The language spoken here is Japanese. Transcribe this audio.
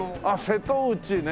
瀬戸内ね！